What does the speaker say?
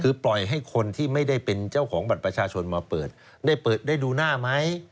คือปล่อยให้คนที่ไม่ได้เป็นเจ้าของบัตรประชาชนมาเปิดได้เปิดได้ดูหน้าไหม